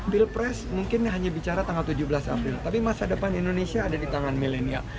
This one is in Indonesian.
pilpres mungkin hanya bicara tanggal tujuh belas april tapi masa depan indonesia ada di tangan milenial